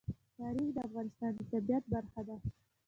تاریخ د افغانستان د طبیعت برخه ده.